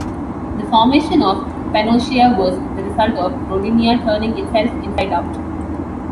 The formation of Pannotia was the result of Rodinia turning itself inside out.